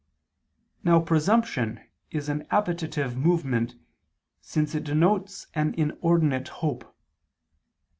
Now presumption is an appetitive movement, since it denotes an inordinate hope.